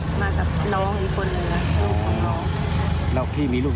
เจ้าทานตรงข้างบน